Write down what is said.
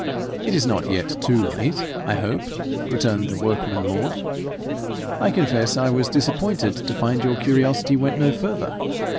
'It is not yet too late, I hope,' returned the workman lord. 'I confess I was disappointed to find your curiosity went no further.